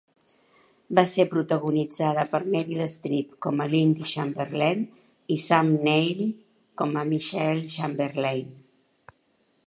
Va ser protagonitzada per Meryl Streep com a Lindy Chamberlain i Sam Neill com a Michael Chamberlain.